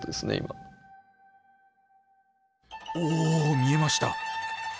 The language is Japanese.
おお見えました！